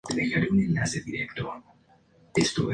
El procedimiento de obtención de la savia mata el árbol.